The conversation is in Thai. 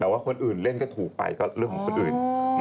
แต่ว่าคนอื่นเล่นก็ถูกไปก็เรื่องของคนอื่น